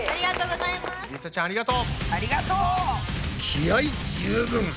気合い十分！